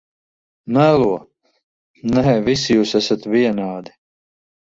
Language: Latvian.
-Melo! Nē, visi jūs esat vienādi.